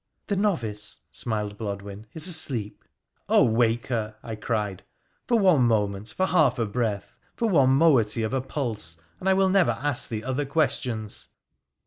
' The novice,' smiled Blodwen, ' is asleep.' ' Oh, wake her !' I cried, ' for one moment, for half a breath, for one moiety of a pulse, and I will never ask thee other questions.'